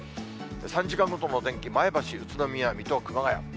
３時間ごとの天気、前橋、宇都宮、水戸、熊谷。